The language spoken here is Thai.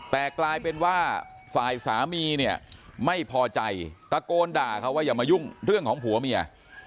แต่กลายเป็นว่าฝ่ายสามีเนี่ยไม่พอใจตะโกนด่าเขาว่าอย่ามายุ่งเรื่องของผัวเมีย